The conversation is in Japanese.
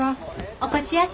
お越しやす。